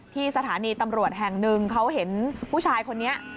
ที่สถานีตำรวจแห่งหนึ่งเขาเห็นผู้ชายคนนี้